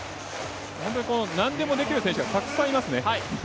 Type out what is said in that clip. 何でもできる選手がたくさんいますね。